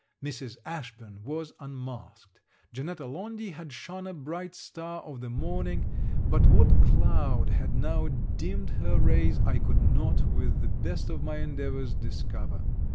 Mrs. Ashburn was unmasked. Janetta Laundy had shone a bright star of the morning, but what cloud had now dimmed her rays I could not with the best of my endeavours discover.